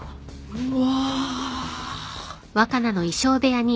うわ。